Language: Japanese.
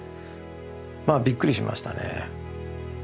まあびっくりしましたね。